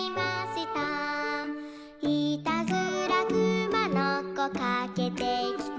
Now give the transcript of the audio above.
「いたずらくまのこかけてきて」